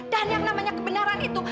dan yang namanya kebenaran itu